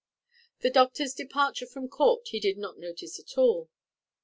The doctor's departure from court he did not notice at all.